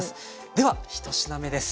では１品目です。